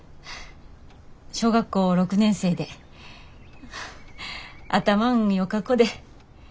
小学校６年生で頭んよか子で。